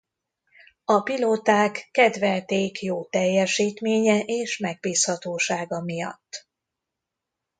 A pilóták kedvelték jó teljesítménye és megbízhatósága miatt.